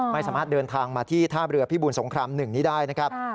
ไม่สามารถเดินทางมาที่ท่าเรือพิบูรสงคราม๑นี้ได้นะครับ